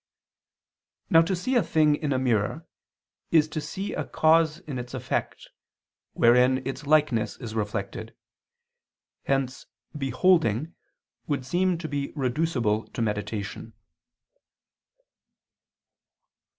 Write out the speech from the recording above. Now to see a thing in a mirror is to see a cause in its effect wherein its likeness is reflected. Hence "beholding" would seem to be reducible to meditation.